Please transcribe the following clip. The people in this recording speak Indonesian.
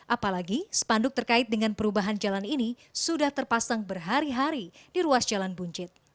apalagi spanduk terkait dengan perubahan jalan ini sudah terpasang berhari hari di ruas jalan buncit